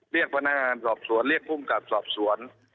เรียกพนักงานสอบสวนเรียกภูมิกับสอบสวน